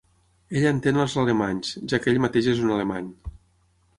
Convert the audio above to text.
Ell entén als alemanys, ja que ell mateix és un alemany.